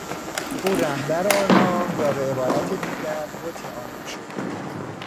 او رهبر آنها یا به عبارت دیگر بت آنها شد.